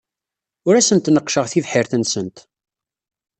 Ur asent-neqqceɣ tibḥirt-nsent.